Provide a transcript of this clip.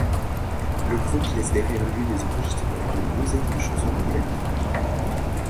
Le groupe laisse derrière lui des enregistrements d'une douzaine de chansons complètes.